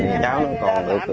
tức là từ hôm qua tới giờ